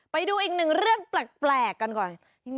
ไปดูอีกหนึ่งเรื่องแปลกกันก่อน